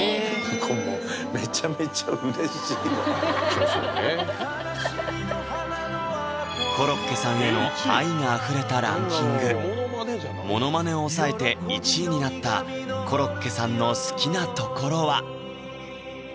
これもめちゃめちゃうれしいわコロッケさんへの愛があふれたランキングものまねをおさえて１位になったコロッケさんの好きなところは？